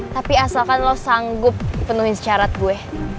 tapi asalkan lo sanggup penuhin syarat gue